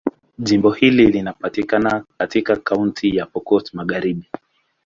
Jimbo hili linapatikana katika Kaunti ya Pokot Magharibi.